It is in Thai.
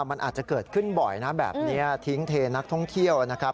มันอาจจะเกิดขึ้นบ่อยนะแบบนี้ทิ้งเทนักท่องเที่ยวนะครับ